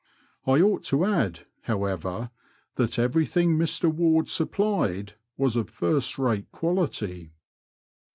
I ought to add, however, that everything Mr Ward supplied was of first rate quality.